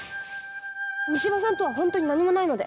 三島さんとはホントに何もないので。